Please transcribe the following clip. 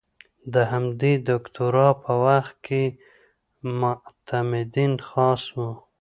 د همدې دوکتورا په وخت کې معتمدین خاص وو.